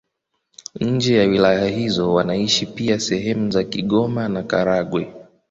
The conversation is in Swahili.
Nje na wilaya hizo wanaishi pia sehemu za Kigoma na Karagwe.